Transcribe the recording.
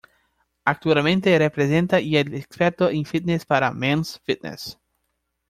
Actualmente representa y el experto en fitness para Men's Fitness.